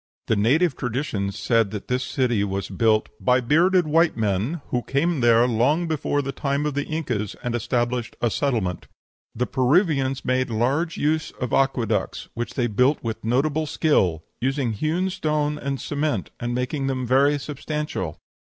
The native traditions said this city was built "by bearded white men, who came there long before the time of the Incas, and established a settlement." "The Peruvians made large use of aqueducts, which they built with notable skill, using hewn stones and cement, and making them very substantial."